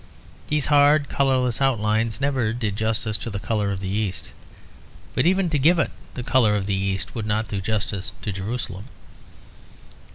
These hard colourless outlines never did justice to the colour of the East, but even to give it the colour of the East would not do justice to Jerusalem.